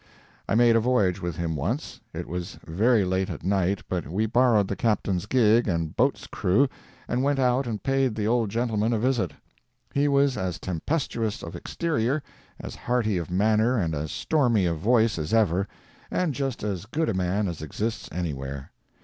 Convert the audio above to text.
I made a voyage with him once. It was very late at night, but we borrowed the Captain's gig and boat's crew and went out and paid the old gentleman a visit. He was as tempestuous of exterior, as hearty of manner and as stormy of voice as ever,—and just as good a man as exists anywhere.